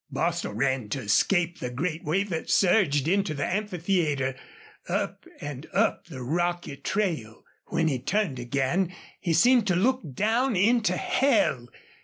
Bostil ran to escape the great wave that surged into the amphitheater, up and up the rocky trail. When he turned again he seemed to look down into hell.